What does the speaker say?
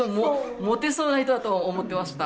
モテそうな人だと思ってました。